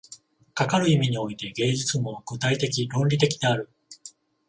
かかる意味において、芸術も具体的論理的である。